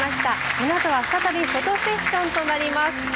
このあとは、再びフォトセッションとなります。